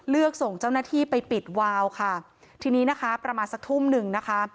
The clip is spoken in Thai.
ส่งเจ้าหน้าที่ไปปิดวาวค่ะทีนี้นะคะประมาณสักทุ่มหนึ่งนะคะ